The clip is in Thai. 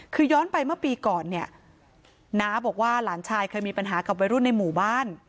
คือย้อนไปเมื่อปีก่อนเนี่ยน้าบอกว่าหลานชายเคยมีปัญหากับวัยรุ่นในหมู่บ้าน